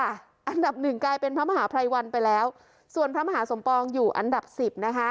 อันดับหนึ่งกลายเป็นพระมหาภัยวันไปแล้วส่วนพระมหาสมปองอยู่อันดับสิบนะคะ